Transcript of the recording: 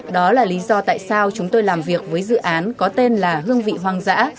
đó là lý do tại sao chúng tôi làm việc với dự án có tên là hương vị hoang dã